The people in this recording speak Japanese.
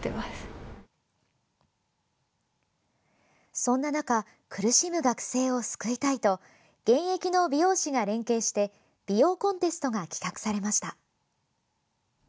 そんな中苦しむ学生を救いたいと現役の美容師が連携して美容コンテストが企画されました。